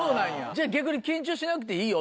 じゃあ逆に緊張しなくていいよ